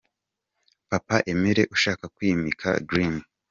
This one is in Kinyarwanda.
Papa Emile ushaka kwimika Green P.